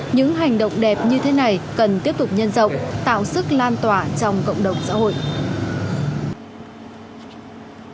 những hành động đẹp như thế này cần tiếp tục nhân rộng tạo sức lan tỏa trong cộng đồng xã hội